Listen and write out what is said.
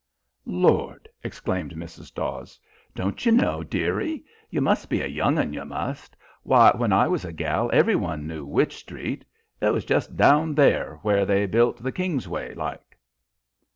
"Lord!" exclaimed Mrs. Dawes. "Don't you know, dearie? You must be a young 'un, you must. Why, when I was a gal every one knew Wych Street. It was just down there where they built the Kingsway, like."